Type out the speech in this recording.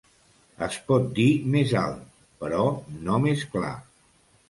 Es pot dir més alt... però no més clar.